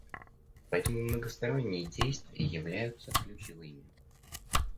Поэтому многосторонние действия являются ключевыми.